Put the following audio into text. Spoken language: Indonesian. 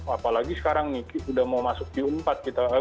apalagi sekarang nih sudah mau masuk q empat